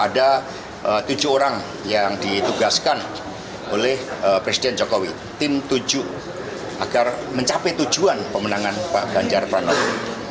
ada tujuh orang yang ditugaskan oleh presiden jokowi tim tujuh agar mencapai tujuan pemenangan pak ganjar pranowo